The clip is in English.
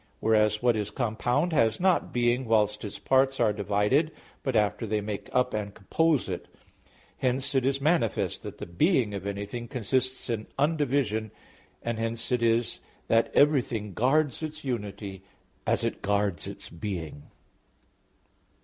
Whereas what is compound, has not being whilst its parts are divided, but after they make up and compose it. Hence it is manifest that the being of anything consists in undivision; and hence it is that everything guards its unity as it guards its being.